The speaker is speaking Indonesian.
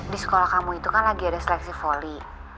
di sekolah kamu itu kan lagi ada seleksi voli